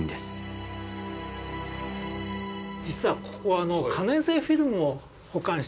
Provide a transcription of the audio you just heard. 実はここ可燃性フィルムを保管してる。